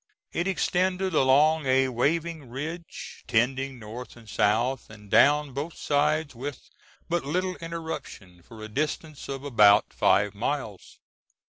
It extended along a waving ridge tending north and south and down both sides with but little interruption for a distance of about five miles.